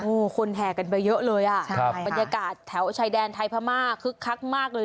โอ้โหคนแห่กันไปเยอะเลยอ่ะใช่บรรยากาศแถวชายแดนไทยพม่าคึกคักมากเลย